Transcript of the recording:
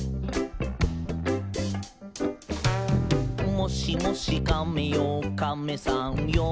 「もしもしカメよカメさんよ」